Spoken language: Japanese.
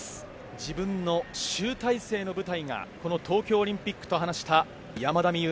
自分の集大成の舞台がこの東京オリンピックと話した山田美諭。